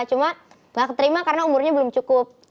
cuma nggak keterima karena umurnya belum cukup